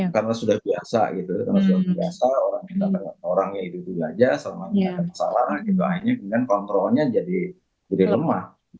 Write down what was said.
karena sudah biasa orang orang yang diduga aja selama tidak ada masalah kemudian kontrolnya jadi lebih lemah